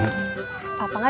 kemudian cumaray mah